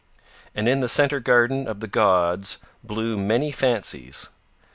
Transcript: And in the Centre Garden of the gods bloom many fancies.